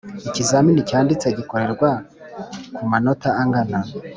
ikizamini cyanditse gikorerwa ku manota angina